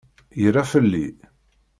Yerra fell-i?